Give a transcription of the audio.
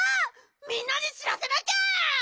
みんなにしらせなきゃ！